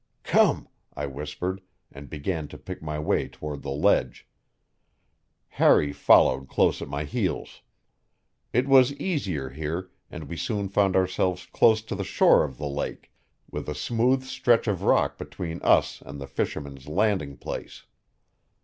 "Come," I whispered, and began to pick my way toward the ledge. Harry followed close at my heels. It was easier here, and we soon found ourselves close to the shore of the lake, with a smooth stretch of rock between us and the fisherman's landing place.